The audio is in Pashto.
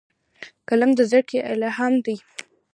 قلم د زدهکړې الهام دی